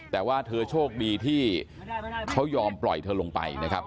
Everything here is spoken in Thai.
แต่ว่าเธอโชคดีที่เขายอมปล่อยเธอลงไปนะครับ